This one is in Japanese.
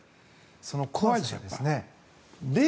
その怖さですよね。